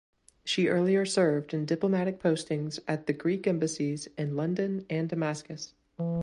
She earlier served in diplomatic postings at the Greek embassies in London and Damascus.